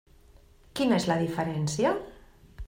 Quina és la diferència?